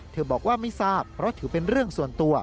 บอกว่าไม่ทราบเพราะถือเป็นเรื่องส่วนตัว